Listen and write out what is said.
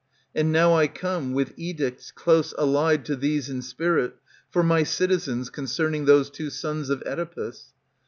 And now I come, with edicts, close allied To these in spirit, for my citizens, Concerning those two sons of CEdipus.